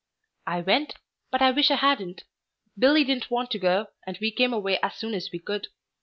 "I went, but I wish I hadn't. Billy didn't want to go, and we came away as soon as we could.